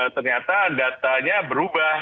ternyata datanya berubah